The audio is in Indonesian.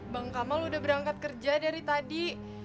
bang kamal udah berangkat kerja dari tadi